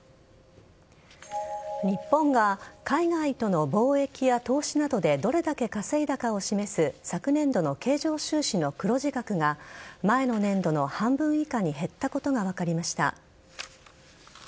日本が海外との貿易や投資などでどれだけ稼いだかを示す昨年度の経常収支の黒字額が前の年度の半分以下に減ったことが分かりました。